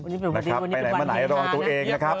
ไปไหนมาไหนระว่างตัวเอง